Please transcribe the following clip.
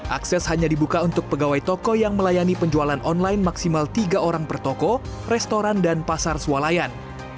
akses hanya dibuka untuk pegawai toko yang melayani penjualan online maksimal tiga orang per toko restoran dan pasar sualayan